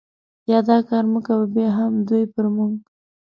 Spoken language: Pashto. یا دا کار مه کوه، بیا هم دوی پر موږ.